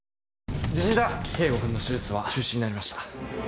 圭吾君の手術は中止になりました。